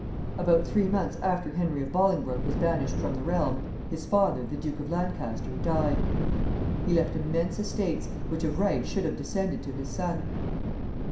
About three months after Henry of Bolingbroke was banished from the realm, his father, the Duke of Lancaster, died. He left immense estates, which of right should have descended to his son.